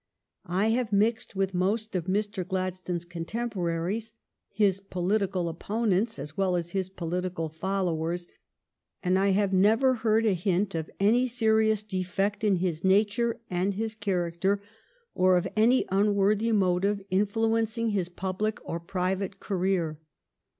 I have mixed with most of Mr. Glad stone's contemporaries, his political opponents as well as his political followers, and I have never heard a hint of any serious defect in his nature and his character, or of any unworthy motive influenc ing his public or private career.